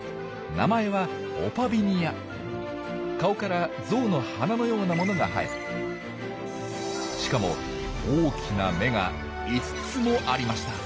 名前は顔からゾウの鼻のようなものが生えしかも大きな眼が５つもありました。